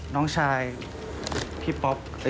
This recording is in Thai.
น้องชายพี่ป๊อป